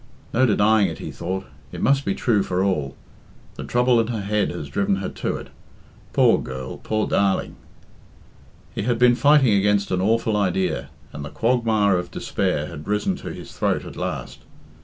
"No denying it," he thought. "It must be true for all. The trouble in her head has driven her to it. Poor girl, poor darling!" He had been fighting against an awful idea, and the quagmire of despair had risen to his throat at last.